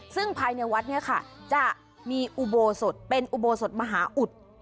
ซึ่งภายในวัดเนี่ยค่ะจะมีอุโบสถเป็นอุโบสถมหาอุด